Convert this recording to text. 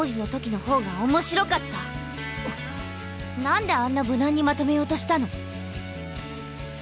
なんであんな無難にまとめようとしたの？